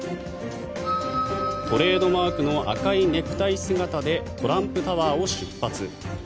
トレードマークの赤いネクタイ姿でトランプタワーを出発。